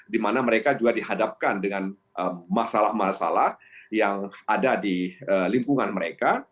dimana mereka juga dihadapkan dengan masalah masalah yang ada di lingkungan mereka